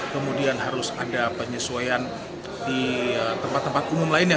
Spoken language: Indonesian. kemudian harus ada penyesuaian di tempat tempat umum lainnya